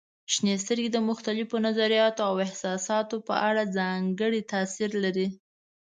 شنې سترګې د مختلفو نظریاتو او احساساتو په اړه ځانګړی تاثير لري.